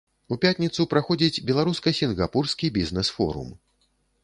У пятніцу праходзіць беларуска-сінгапурскі бізнэс-форум.